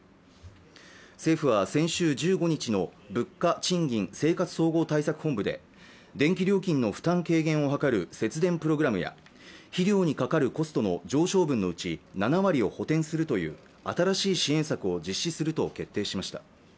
政府は先週１５日の物価・賃金・生活総合対策本部で電気料金の負担軽減を図る節電プログラムや肥料にかかるコストの上昇分のうち７割を補填するという新しい支援策を実施すると決定しました。